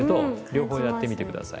両方やってみて下さい。